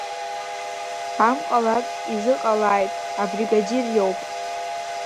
Амҟалатә изыҟалааит, абригадир иоуп.